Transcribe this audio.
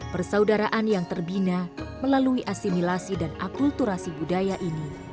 persaudaraan yang terbina melalui asimilasi dan akulturasi budaya ini